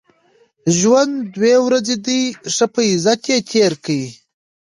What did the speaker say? ژوند دوې ورځي دئ، ښه په عزت ئې تېر کئ!